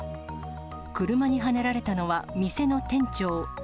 車にはねられたのは店の店長。